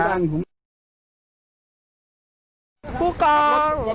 ทุกนึงว้ายยยยยยยยครับ